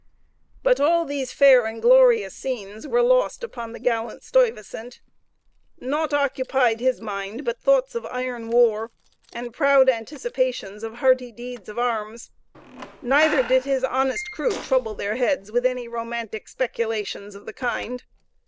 But all these fair and glorious scenes were lost upon the gallant Stuyvesant; nought occupied his mind but thoughts of iron war, and proud anticipations of hardy deeds of arms. Neither did his honest crew trouble their heads with any romantic speculations of the kind.